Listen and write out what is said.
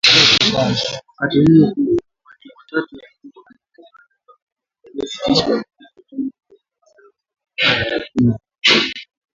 Wakati huo huo watu watatu walikufa katika maandamano yaliyositishwa hapo Juni kumi na saba kulingana na takwimu za upinzani .